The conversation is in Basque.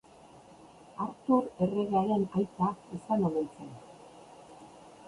Artur erregearen aita izan omen zen.